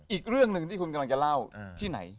อีกเรื่องหนึ่งที่คุณกำลังจะเล่าที่ไหน